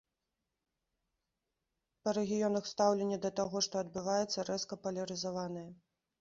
Па рэгіёнах стаўленне да таго, што адбываецца, рэзка палярызаванае.